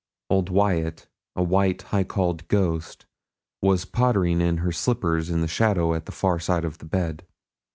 Old Wyat, a white, high cauled ghost, was pottering in her slippers in the shadow at the far side of the bed.